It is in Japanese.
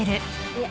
いえ。